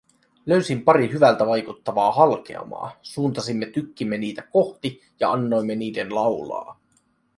Löysin pari hyvältä vaikuttavaa halkeamaa, suuntasimme tykkimme niitä kohti ja annoimme niiden laulaa.